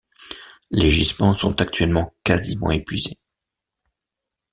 Les gisements sont actuellement quasiment épuisés.